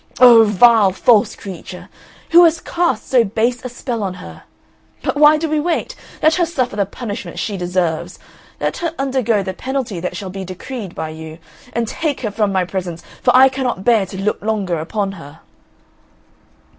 Ah, vile, false creature, who has cast so base a spell on her? But why do we wait? Let her suffer the punishment she deserves; let her undergo the penalty that shall be decreed by you, and take her from my presence, for I cannot bear to look longer upon her."